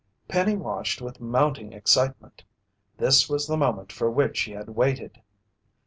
Penny watched with mounting excitement. This was the moment for which she had waited!